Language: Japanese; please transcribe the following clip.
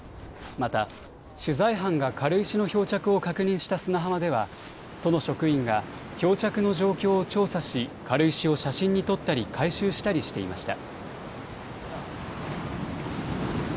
また、取材班が軽石の漂着を確認した砂浜では都の職員が漂着の状況を調査し軽石を写真に撮ったり回収したりしていました。